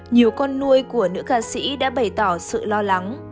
nhiều con nuôi của nữ ca sĩ đã bày tỏ sự lo lắng